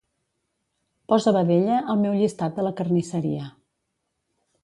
Posa vedella al meu llistat de la carnisseria.